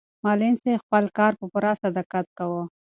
معلم صاحب خپل کار په پوره صداقت کاوه.